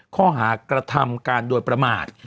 ข้อหากระทำการโดยประมาท